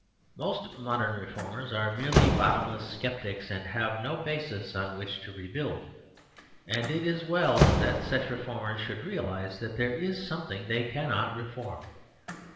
Most modern reformers are merely bottom less sceptics, and have no basis on which to rebuild; and it is well that such reformers should realise that there is something they The Story of the Family 67 cannot reform.